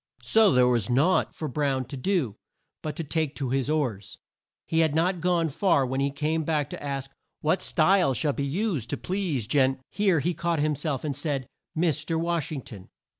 So there was naught for Brown to do but to take to his oars. He had not gone far when he came back to ask "What style should be used to please Gen (here he caught him self and said) Mis ter Wash ing ton."